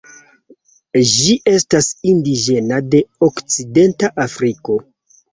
Ĝi estas indiĝena de Okcidenta Afriko.